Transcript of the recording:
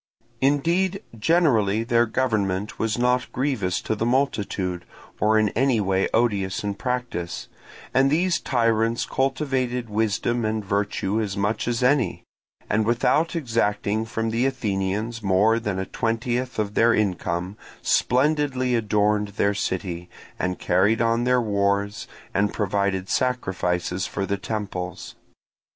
Indeed, generally their government was not grievous to the multitude, or in any way odious in practice; and these tyrants cultivated wisdom and virtue as much as any, and without exacting from the Athenians more than a twentieth of their income, splendidly adorned their city, and carried on their wars, and provided sacrifices for the temples.